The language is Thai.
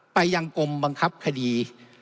ไปยังกรมบังคับคดี